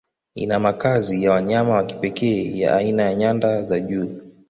Ina makazi ya wanyama ya kipekee ya aina ya nyanda za juu